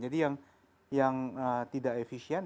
jadi yang tidak efisien